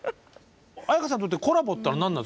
絢香さんにとってコラボっていうのは何なんですか？